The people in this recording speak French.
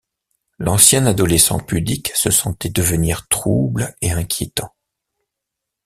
L’ancien adolescent pudique se sentait devenir trouble et inquiétant.